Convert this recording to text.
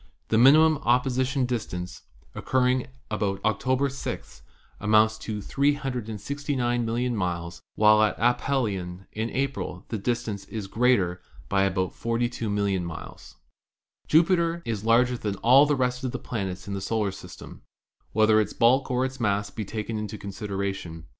The minimum opposi tion distance, occurring about October 6, amounts to 369, 000,000 miles, while at aphelion in April the distance is greater by about 42,000,000 miles. Jupiter is larger than all the rest of the planets in the solar system, whether its bulk or its mass be taken into consideration.